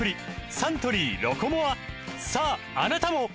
サントリー「ロコモア」さああなたも！